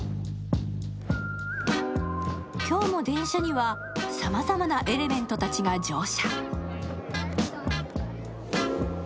今日も電車にはさまざまなエレメントたちが乗車。